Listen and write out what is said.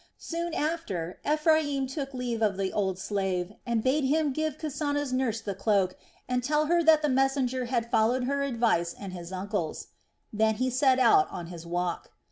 Soon after Ephraim took leave of the old slave and bade him give Kasana's nurse the cloak and tell her that the messenger had followed her advice and his uncle's. Then he set off on his walk.